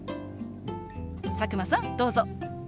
佐久間さんどうぞ。